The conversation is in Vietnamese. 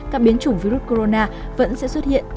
các biến chủng virus corona vẫn sẽ xuất hiện trong quá trình